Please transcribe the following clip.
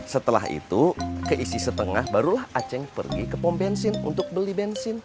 setelah itu ke isi setengah barulah acing pergi ke pom bensin untuk beli bensin